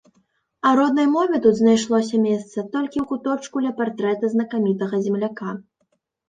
А роднай мове тут знайшлося месца толькі ў куточку ля партрэта знакамітага земляка.